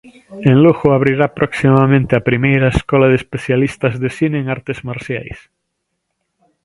En Lugo abrirá proximamente a primeira escola de especialistas de cine en artes marciais.